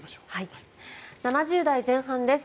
７０代前半です。